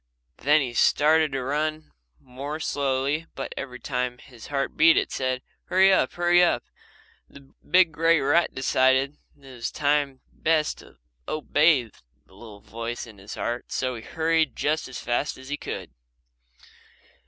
Then he started to run more slowly but every time his heart beat it said, "Hurry up! Hurry up!" The big grey rat decided that it was best to obey the little voice in his heart so he hurried just as fast as he could.